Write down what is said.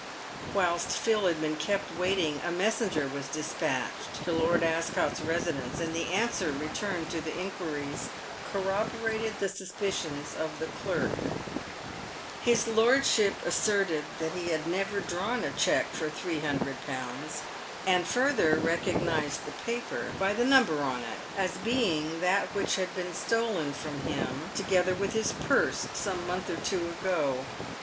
Whilst Phil had been kept waiting, a messenger was despatched to Lord Ascot's residence, and the answer returned to the inquiries corroborated the suspicions of the clerk. His lordship asserted he had never drawn a cheque for three hundred pounds, and further recognised the paper by the number on it, as being that which had been stolen from him, together ^;^ PAYED WITH GOLD. 211 with his purse, some month, or two ago.